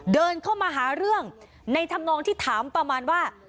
เดินเข้ามาหาเรื่องในธรรมนองที่ถามประมาณว่า